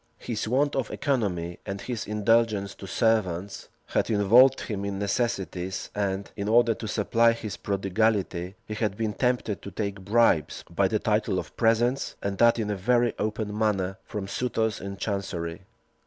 His want of economy, and his indulgence to servants, had involved him in necessities; and, in order to supply his prodigality, he had been tempted to take bribes, by the title of presents, and that in a very open manner, from suitors in chancery.